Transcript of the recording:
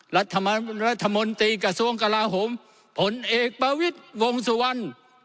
รัฐมนตรีกระทรวงกลาโหมผลเอกประวิทย์วงสุวรรณ